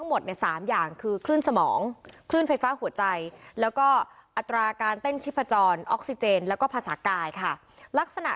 เหล่าการเต้นชิปจรออกซิเจนแล้วก็ภาษากาย